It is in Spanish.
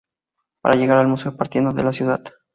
Para llegar al Museo partiendo de la Cd.